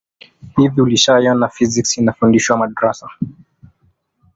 hivi ulishawahi kuona physics inafundishwa madrasa